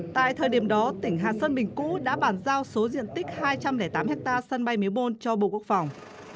tại thời điểm đó tỉnh hà sơn bình cũ đã bàn giao số diện tích hai trăm linh tám hectare sân bay miếu bôn cho bộ quốc phòng